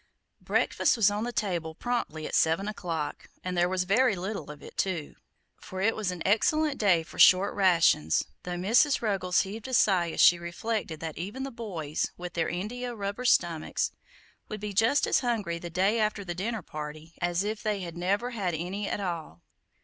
Breakfast was on the table promptly at seven o'clock, and there was very little of it, too; for it was an excellent day for short rations, though Mrs. Ruggles heaved a sigh as she reflected that even the boys, with their India rubber stomachs, would be just as hungry the day after the dinner party as if they had never had any at all.